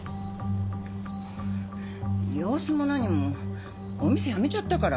様子も何もお店辞めちゃったから。